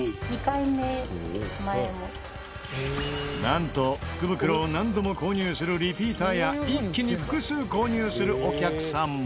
なんと福袋を何度も購入するリピーターや一気に複数購入するお客さんも。